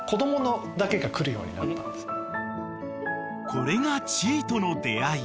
［これがチーとの出合い］